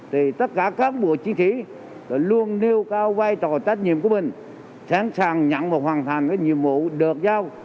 tất cả cán bộ chiến sĩ luôn nêu cao vai trò tác nhiệm của mình sẵn sàng nhận và hoàn thành nhiệm vụ được